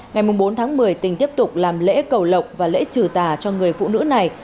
ngày bốn tháng một mươi tỉnh tiếp tục làm lễ cầu lộc và lễ trừ tà cho người phụ nữ này